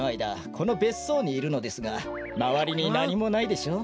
このべっそうにいるのですがまわりになにもないでしょう？